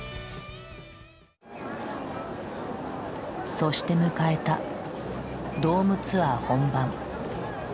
そして迎えたドームツアー本番。